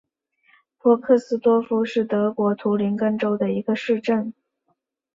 波克斯多夫是德国图林根州的一个市镇。